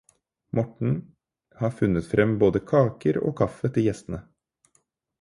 Morten har funnet fram både kaker og kaffe til gjestene.